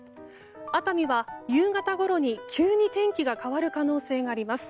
熱海は夕方ごろに急に天気が変わる可能性があります。